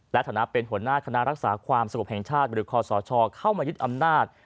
และฐานะเป็นหัวหน้าคณะรักษาความสงบแห่งชาติหรือคอสชเข้ามายึดอำนาจ